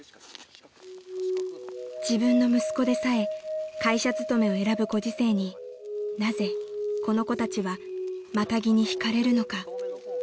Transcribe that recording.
［自分の息子でさえ会社勤めを選ぶご時世になぜこの子たちはマタギに引かれるのか？］